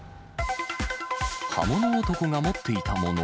刃物男が持っていたもの。